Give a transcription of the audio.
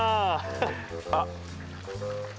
あっ！